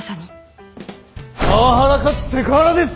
パワハラかつセクハラです！